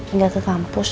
enggak ke kampus